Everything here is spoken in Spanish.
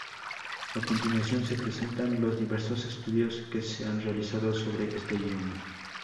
A continuación se presentan los diversos estudios que se han realizado sobre este idioma.